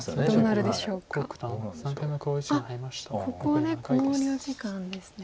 ここで考慮時間ですね。